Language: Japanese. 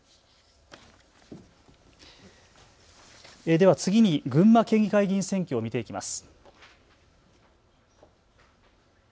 では次に群馬県議会議員選挙を見ていきます。